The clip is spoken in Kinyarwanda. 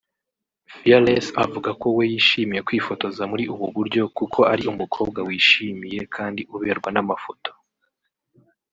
Fearless avuga ko we yishimiye kwifotoza muri ubu buryo kuko ari umukobwa wishimiye kandi uberwa n'amafoto